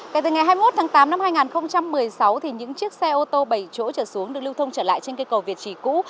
kể từ ngày hai mươi một tháng tám năm hai nghìn một mươi sáu những chiếc xe ô tô bảy chỗ trở xuống được lưu thông trở lại trên cây cầu việt trì cũ